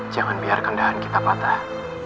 jangan biarkan dahan kita patah